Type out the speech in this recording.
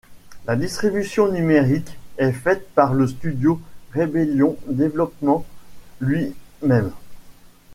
La distribution numérique est faite par le studio Rebellion Developments lui-même.